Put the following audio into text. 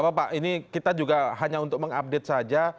ya pak ini kita juga hanya untuk mengupdate saja